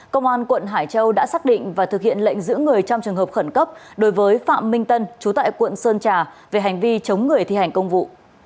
công an quận hải châu đã xác định và thực hiện lệnh giữ người trong trường hợp khẩn cấp đối với phạm minh tân chú tại quận sơn trà về hành vi chống người thi hành công vụ